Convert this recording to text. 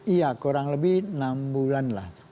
iya kurang lebih enam bulan lah